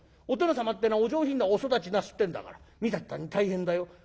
お殿様ってえのはお上品なお育ちなすってんだから見た途端に大変だよ。